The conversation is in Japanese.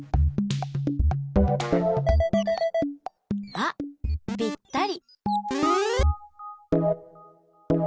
あっぴったり！